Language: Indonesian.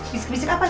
bisik bisik apa lo